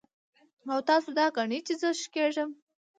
او تاسو دا ګڼئ چې زۀ ښۀ کېږم